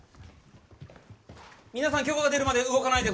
皆さん許可が出るまで動かないでください。